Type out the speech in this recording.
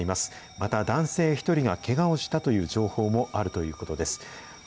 また、男性１人がけがをしたという情報もあるということです。